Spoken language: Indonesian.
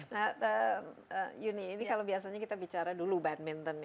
nah yuni ini kalau biasanya kita bicara dulu badminton